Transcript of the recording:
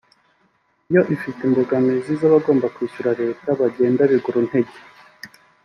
yo ifite imbogamizi z’abagomba kwishyura leta bagenda biguru ntege